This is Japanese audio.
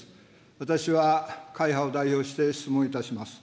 私は会派を代表して質問いたします。